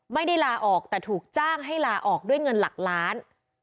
ไม่ได้ลาออกแต่ถูกจ้างให้ลาออกด้วยเงินหลักล้าน